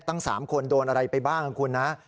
ตั้ง๓คนโดนอะไรไปบ้างนะคุณนะ